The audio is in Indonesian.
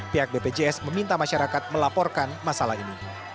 pihak bpjs meminta masyarakat melaporkan masalah ini